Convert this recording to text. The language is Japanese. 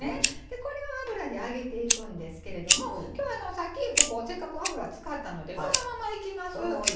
これを油で揚げていくんですけどさっきせっかく油を使ったのでこのままいきます。